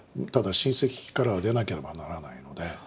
ただ親戚からは出なければならないので。